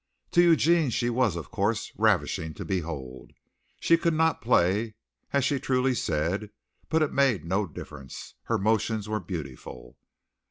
To Eugene she was of course ravishing to behold. She could not play, as she truly said, but it made no difference. Her motions were beautiful.